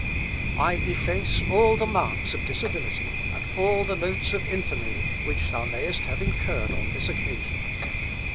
I efface all the marks of disability, and all the notes of infamy which thou mayest have incurred on this occasion.